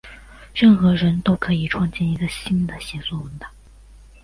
任何人都可以创建一个新的协作文档。